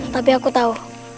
tapi aku tahu